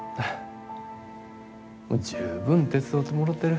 もう十分手伝うてもろてる。